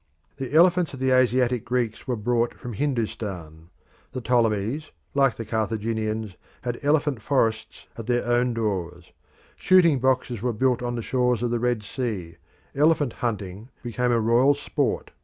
The elephants of the Asiatic Greeks were brought from Hindustan. The Ptolemies, like the Carthaginians, had elephant forests at their own doors. Shooting boxes were built on the shores of the Red Sea: elephant hunting became a royal sport.